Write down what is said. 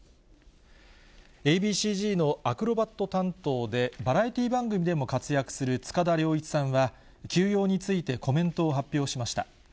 Ａ．Ｂ．ＣーＺのアクロバット担当で、バラエティー番組でも活躍する塚田僚一さんは、休養についてコメントを発表しました。